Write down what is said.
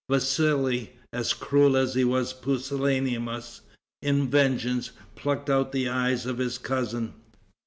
Vassali, as cruel as he was pusillanimous, in vengeance, plucked out the eyes of his cousin.